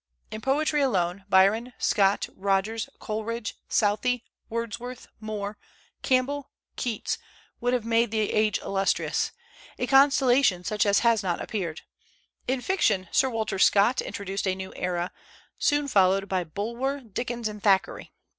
In poetry alone, Byron, Scott, Rogers, Coleridge, Southey, Wordsworth, Moore, Campbell, Keats, would have made the age illustrious, a constellation such as has not since appeared. In fiction, Sir Walter Scott introduced a new era, soon followed by Bulwer, Dickens, and Thackeray.